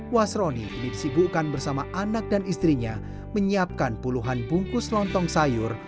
wasroni ini disibukkan bersama anak dan istrinya menyiapkan puluhan bungkus lontong sayur